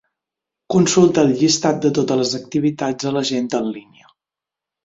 Consulta el llistat de totes les activitats a l'agenda en línia.